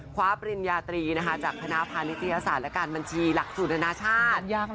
ปริญญาตรีจากคณะพานิทยาศาสตร์และการบัญชีหลักสูตรอนาชาติ